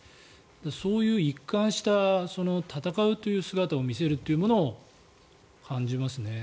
そういう一貫した闘うという姿を見せるというものを感じますね。